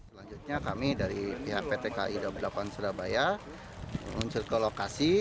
selanjutnya kami dari pihak pt kai daup delapan surabaya menceritakan lokasi